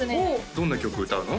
どんな曲歌うの？